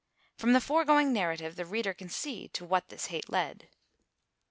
From the foregoing narrative the reader can see to what this hate led.